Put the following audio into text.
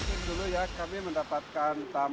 kita berhasil dulu ya kami mendapatkan